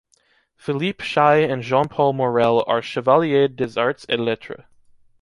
Philippe Chaix and Jean-Paul Morel are chevaliers des Arts et Lettres.